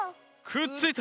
くっついた！